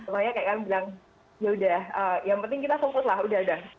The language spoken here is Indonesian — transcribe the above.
soalnya kayak kan bilang yaudah yang penting kita fokus lah udah